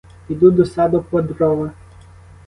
Піду до саду по дрова.